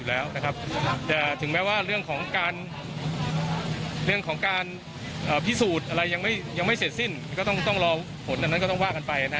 แต่ถึงแม้ว่าเรื่องของการพิสูจน์ยังไม่เสร็จสิ้นก็ต้องรอผลกระทบสิน